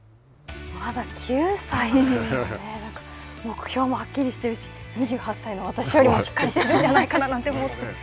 目標もはっきりしているし、２８歳の私よりもしっかりしてるんじゃないかなと思って。